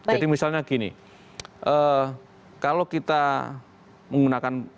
jadi misalnya gini kalau kita menggunakan